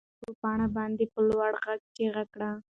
رحیم په پاڼه باندې په لوړ غږ چیغې کړې.